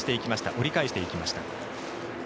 折り返していきました。